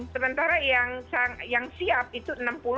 sementara yang siap itu enam puluh delapan puluh